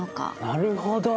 なるほど！